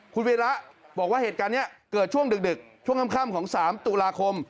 คุณวีระบอกว่าเหตุการณ์นี้เกิดช่วงดึกช่วงค่ำของ๓ตุลาคม